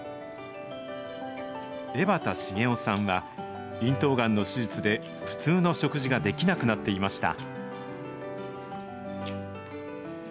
江端重夫さんは、咽頭がんの手術で、普通の食事ができなくなっていました。